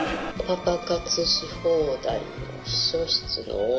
「パパ活し放題の秘書室の女達」